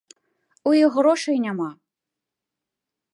У іх грошай няма!